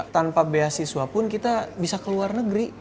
tanpa beasiswa pun kita bisa ke luar negeri